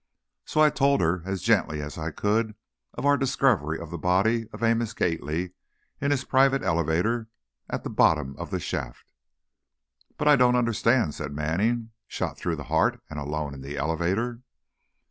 So I told her, as gently as I could, of our discovery of the body of Amos Gately in his private elevator, at the bottom of the shaft. "But I don't understand," said Manning. "Shot through the heart and alone in the elevator?"